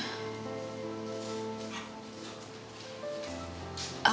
aku bakal selalu liat kamu